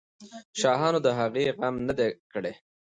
شاهانو د هغې غم نه دی کړی.